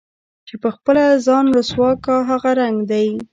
چې په خپله ځان رسوا كا هغه رنګ دے